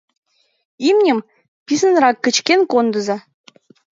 — Имньым писынрак кычкен кондыза!